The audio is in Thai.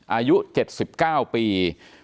อายุ๗๙ปี